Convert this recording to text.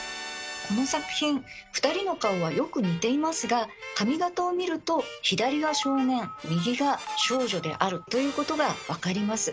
この作品２人の顔はよく似ていますが髪型を見ると左が少年右が少女であるということが分かります。